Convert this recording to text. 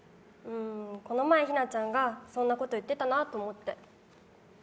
この前、ヒナちゃんがそんなこと言ってたなと思って。